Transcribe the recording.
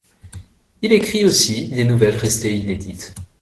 Il écrit aussi des nouvelles restées inédites.